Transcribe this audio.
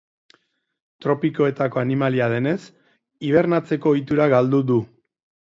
Tropikoetako animalia denez hibernatzeko ohitura galdu du.